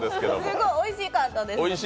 すごいおいしかったです。